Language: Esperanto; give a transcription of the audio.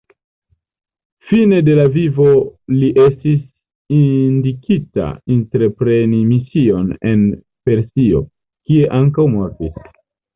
Fine de la vivo li estis indikita entrepreni mision en Persio, kie ankaŭ mortis.